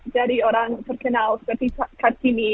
dari orang terkenal seperti kak kini